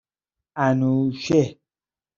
انوشه